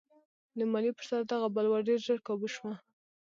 د مالیې پر سر دغه بلوا ډېر ژر کابو شوه.